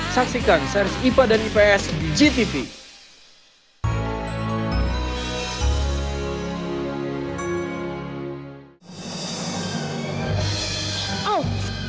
saksikan series ipa dan ips di gtv